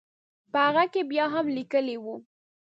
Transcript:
په هغه کې بیا هم لیکلي وو.